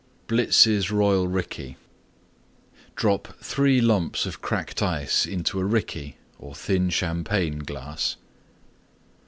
BLIZ'S ROYAL RICKEY Drop 3 lumps Cracked Ice in a Rickey (thin Champagne) glass.